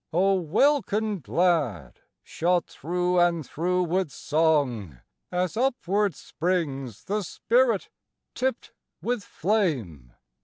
O welkin glad, shot through and through with song, As upward springs the spirit tipt with flame!